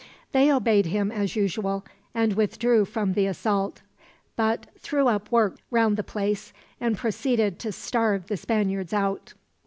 They obeyed him as usual, and withdrew from the assault; but threw up works round the place, and proceeded to starve the Spaniards out.